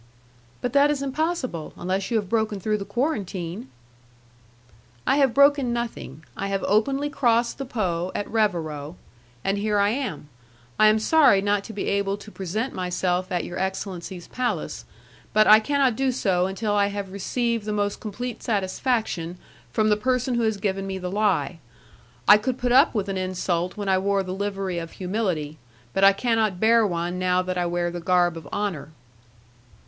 "But that is impossible, unless you have broken through the quarantine." "I have broken nothing. I have openly crossed the Po at Revero, and here I am. I am sorry not to be able to present myself at your excellency's palace, but I cannot do so until I have received the most complete satisfaction from the person who has given me the lie. I could put up with an insult when I wore the livery of humility, but I cannot bear one now that I wear the garb of honour."